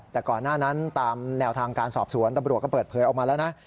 แต่ก่อนหน้านั้นตามแนวทางการสอบสวนตำรวจก็เปิดเผยออกมาแล้วนะ